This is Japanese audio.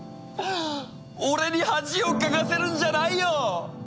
俺に恥をかかせるんじゃないよ！